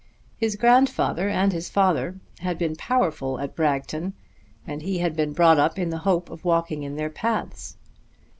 His grandfather and his father had been powerful at Bragton, and he had been brought up in the hope of walking in their paths.